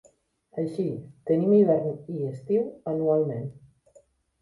Així, tenim hivern i estiu anualment.